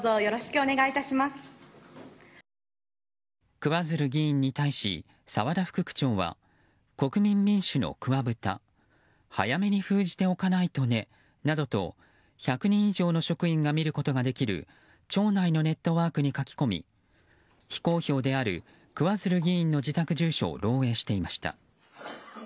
桑水流議員に対し澤田副区長は国民民主の桑ブタ早めに封じておかないとねなどと書き込み１００人以上の職員が見ることができる庁内のネットワークに書き込み非公表である桑水流議員の住所を漏洩していました。